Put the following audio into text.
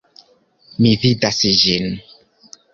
Mi vidas ĝin!